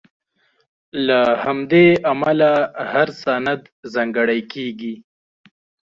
له همدې امله هر سند ځانګړی کېږي.